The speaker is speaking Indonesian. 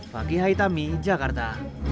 fakih haithami jakarta